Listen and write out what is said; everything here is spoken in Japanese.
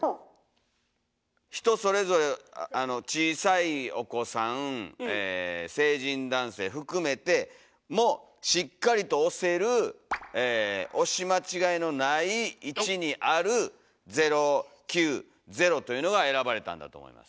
人それぞれ小さいお子さんえ成人男性含めてもしっかりと押せる押し間違いのない位置にある「０９０」というのが選ばれたんだと思います。